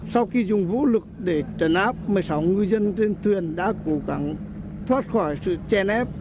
sau khi dùng vũ lực để trấn áp một mươi sáu ngư dân trên thuyền đã cố gắng thoát khỏi sự chèn ép